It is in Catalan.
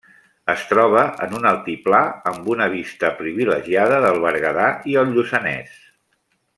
Es troba en un altiplà amb una vista privilegiada del Berguedà i el Lluçanès.